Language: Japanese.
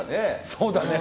そうだね。